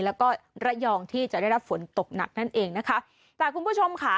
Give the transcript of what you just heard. แล้วก็ระยองที่จะได้รับฝนตกหนักนั่นเองนะคะแต่คุณผู้ชมค่ะ